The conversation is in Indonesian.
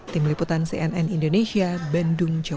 tim liputan cnn indonesia bandung jepang